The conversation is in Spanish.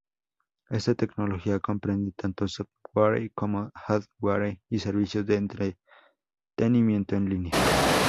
Esta tecnología comprenden tanto software como hardware y servicios de entretenimiento en línea.